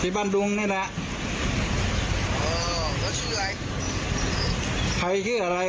บ้านดุงนี่แหละเออแล้วชื่ออะไรใครชื่ออะไร